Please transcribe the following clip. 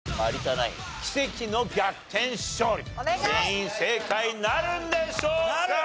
ナイン奇跡の逆転勝利全員正解なるんでしょうか？